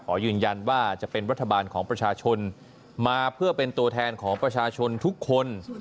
ขอยืนยันว่าจะเป็นรัฐบาลของประชาชนมาเพื่อเป็นตัวแทนของประชาชนทุกคน